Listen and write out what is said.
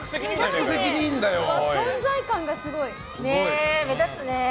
存在感がすごい。目立つね。